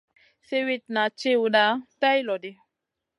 Siwitna tchiwda tay lo ɗi.